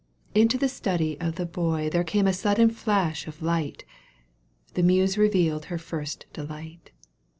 Into the study of the boy There came a sudden flash of light. The Muse revealed her first delight.